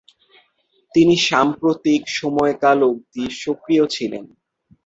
তিনি সাম্প্রতিক সময়কাল অবধি সক্রিয় ছিলেন।